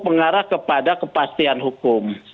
mengarah kepada kepastian hukum